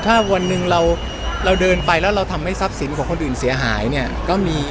ถ้าวันหนึ่งเราเดินไปแล้วเราทำให้ทรัพย์สินของคนอื่นเสียหายเนี่ยก็มี